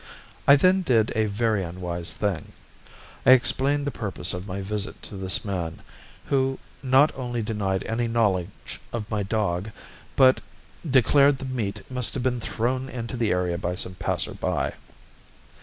I then did a very unwise thing I explained the purpose of my visit to this man, who not only denied any knowledge of my dog, but declared the meat must have been thrown into the area by some passer by.